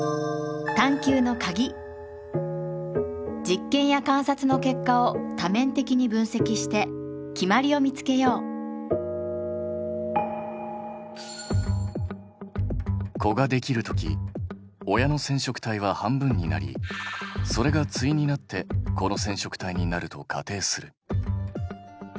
実験や観察の結果を多面的に分析して決まりを見つけよう子ができるとき親の染色体は半分になりそれが対になって子の染色体になると仮定する。